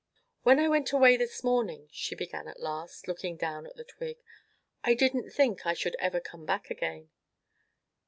"When I went away this morning," she began at last, looking down at the twig, "I didn't think I should ever come back again."